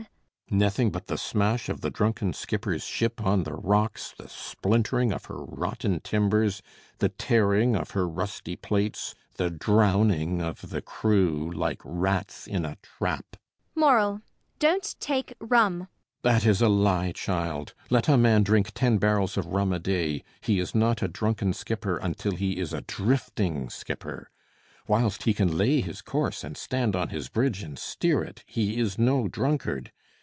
Nothing but the smash of the drunken skipper's ship on the rocks, the splintering of her rotten timbers, the tearing of her rusty plates, the drowning of the crew like rats in a trap. ELLIE. Moral: don't take rum. CAPTAIN SHOTOVER [vehemently]. That is a lie, child. Let a man drink ten barrels of rum a day, he is not a drunken skipper until he is a drifting skipper. Whilst he can lay his course and stand on his bridge and steer it, he is no drunkard.